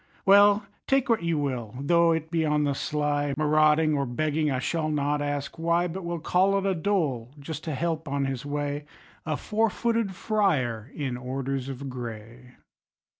Well, take what you will, though it be on the sly, Marauding or begging, I shall not ask why, But will call it a dole, just to help on his way A four footed friar in orders of gray!